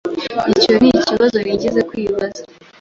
Icyo nikibazo nigeze kwibaza.